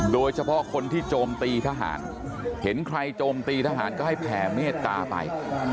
โดยเฉพาะคนที่โจมตีทหารเห็นใครโจมตีทหารก็ให้แผ่เมตตาไป